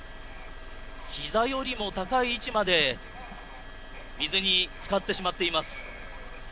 ひざよりも高い位置まで水につかってしまっています。